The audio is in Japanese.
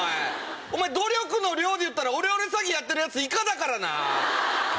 お前努力の量でいったらオレオレ詐欺やってる奴以下だからな。